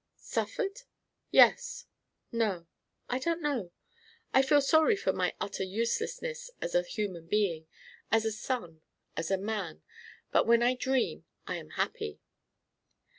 "Suffered? Yes, no. I don't know. I feel sorry for my utter uselessness as a human being, as a son, as a man; but, when I dream, I am happy."